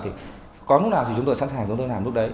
thì có lúc nào thì chúng tôi sẵn sàng chúng tôi làm lúc đấy